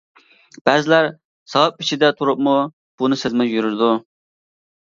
بەزىلەر ساۋاپ ئىچىدە تۇرۇپمۇ بۇنى سەزمەي يۈرىدۇ.